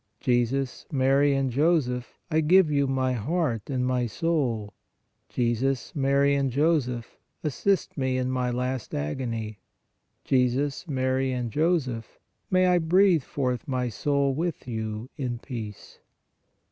Jesus, Mary and Joseph, I give you my heart and my soul ; Jesus, Mary and Joseph, assist me in my last agony; Jesus, Mary and Joseph, may I breathe forth my soul with you in peace.